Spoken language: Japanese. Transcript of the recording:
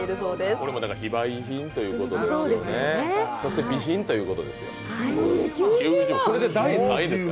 これも非売品ということですね、そして美品ということですね。